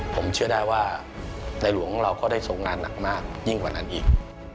ผมเชื่อได้ว่าในหลวงของเราก็ได้ทรงงานหนักมากยิ่งกว่านั้นอีก